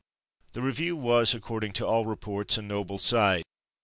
The review was, according to all reports, a noble sight.